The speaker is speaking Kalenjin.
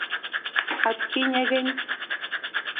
atkinye keny